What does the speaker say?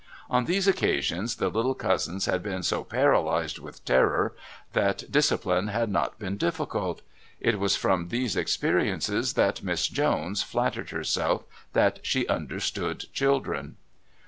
On these occasions the little cousins had been so paralysed with terror that discipline had not been difficult. It was from these experiences that Miss Jones flattered herself that "she understood children."